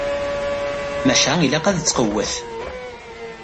Maca ilaq ad tqewwet.